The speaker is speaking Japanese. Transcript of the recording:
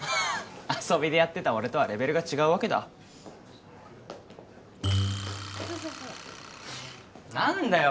遊びでやってた俺とはレベルが違うわけだ何だよ